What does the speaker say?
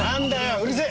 うるせえ！